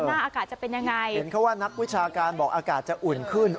หน้าอากาศจะเป็นยังไงเห็นเขาว่านักวิชาการบอกอากาศจะอุ่นขึ้น